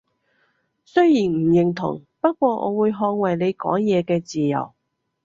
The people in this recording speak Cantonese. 雖然唔認同，不過我會捍衛你講嘢嘅自由